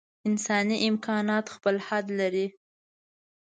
انساني امکانات خپل حد لري.